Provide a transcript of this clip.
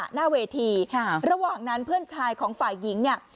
หน้าเวทีค่ะระหว่างนั้นเพื่อนชายของฝ่ายหญิงเนี่ย